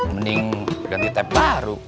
mending ganti tap baru